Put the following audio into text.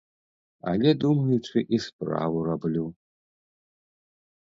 Але думаючы і справу раблю.